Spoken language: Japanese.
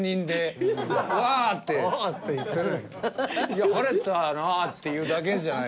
いや晴れたなっていうだけじゃないか。